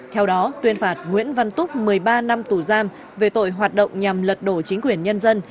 theo đó tuyên phạt nguyễn văn túc một mươi ba năm tù giam về tội hoạt động nhằm lật đổ chính quyền nhân dân